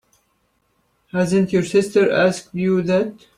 Hasn't your sister asked you that?